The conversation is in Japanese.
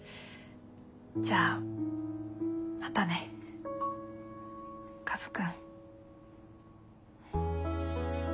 じゃあまたね。カズ君。